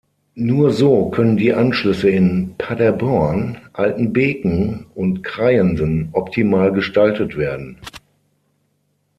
Nur so können die Anschlüsse in Paderborn, Altenbeken und Kreiensen optimal gestaltet werden.